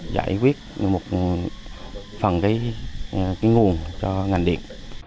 giải quyết một phần cái nguồn cho ngành điện